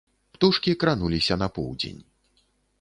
Птушкі крануліся на поўдзень.